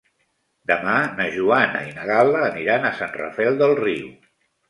Demà na Joana i na Gal·la aniran a Sant Rafel del Riu.